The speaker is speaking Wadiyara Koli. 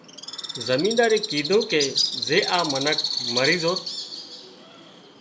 زمينۮارئي ڪيڌو ڪي زي آ منک مري زوت